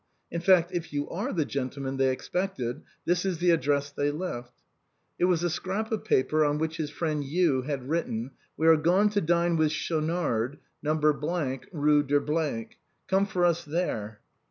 In fact, if you are the gentleman they expected, this is the address they left." It was a scrap of paper on which his friend U. had written, " We are gone to dine with Schaunard, No. —, Rue de . Come for us there."